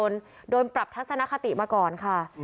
เป็นลุคใหม่ที่หลายคนไม่คุ้นเคย